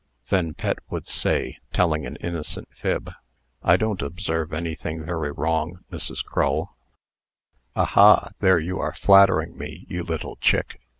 Then Pet would say, telling an innocent fib: "I don't observe anything very wrong, Mrs. Crull." "Ha! ha! there you are flattering me, you little chick.